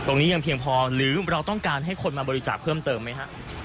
ยังเพียงพอหรือเราต้องการให้คนมาบริจาคเพิ่มเติมไหมฮะ